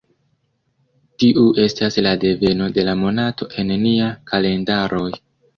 Tiu estas la deveno de la monato en nia kalendaroj.